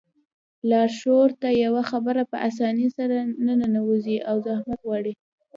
لاشعور ته يوه خبره په آسانۍ سره نه ننوځي او زحمت غواړي.